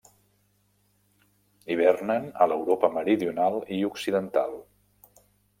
Hivernen a l'Europa meridional i occidental.